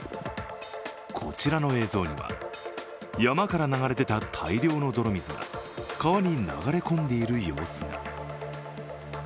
こちらの映像には、山から流れ出た大量の泥水が川に流れ込んでいる様子が。